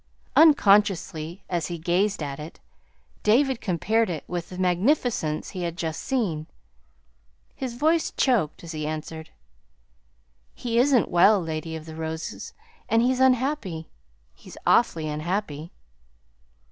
Unconsciously, as he gazed at it, David compared it with the magnificence he had just seen. His voice choked as he answered. "He isn't well, Lady of the Roses, and he's unhappy. He's awfully unhappy."